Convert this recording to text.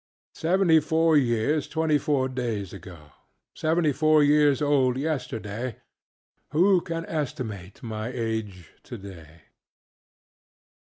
Seventy four years old twenty four days ago. Seventy four years old yesterday. Who can estimate my age today?